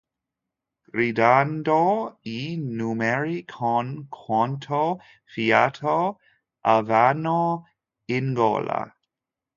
Gridando i numeri con quanto fiato avevano in gola.